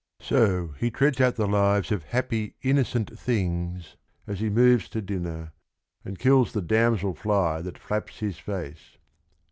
So he treads out the lives of happy innocent things, as he moves to dinner, and kills the damsel fly that flaps his face.